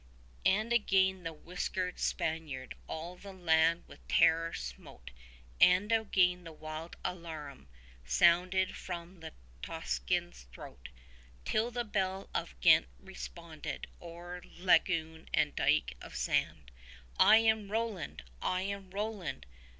And again the whiskered Spaniard all the land with terror smote; And again the wild alarum sounded from the tocsin's throat; Till the bell of Ghent responded o'er lagoon and dike of sand, 35 'I am Roland! I am Roland!